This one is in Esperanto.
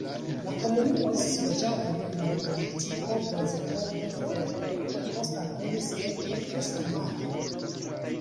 La komunumo estis loĝata dum la neolitiko, bronzepoko, ferepoko, poste alvenis keltoj kaj sarmatoj.